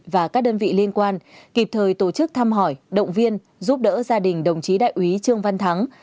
và các đơn vị liên quan kịp thời tổ chức thăm hỏi động viên giúp đỡ gia đình đồng chí đại úy trương văn thắng